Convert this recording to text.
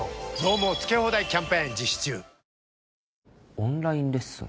オンラインレッスン？